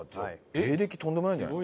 芸歴とんでもないんじゃない？